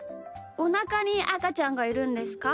おなかにあかちゃんがいるんですか？